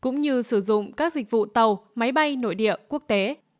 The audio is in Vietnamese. cũng như sử dụng các dịch vụ tàu máy bay nội địa quốc tế